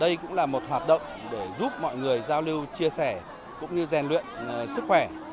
đây cũng là một hoạt động để giúp mọi người giao lưu chia sẻ cũng như rèn luyện sức khỏe